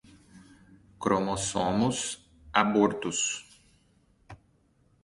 cromossomos, abortos